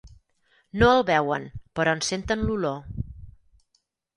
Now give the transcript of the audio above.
No el veuen, però en senten l'olor.